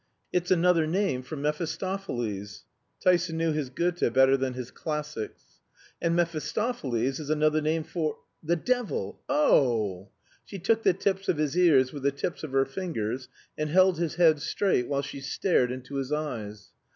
"It's another name for Mephistopheles." (Tyson knew his Goethe better than his classics.) "And Mephistopheles is another name for the devil! Oh!" She took the tips of his ears with the tips of her fingers and held his head straight while she stared into his eyes.